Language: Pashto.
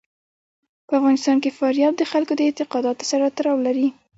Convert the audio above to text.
په افغانستان کې فاریاب د خلکو د اعتقاداتو سره تړاو لري.